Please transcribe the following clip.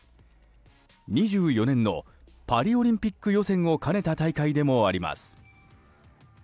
２４年のパリオリンピック予選を兼ねた大会でもあります。